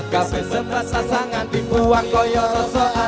kabeh sempat sasangan di buang koyo rosoan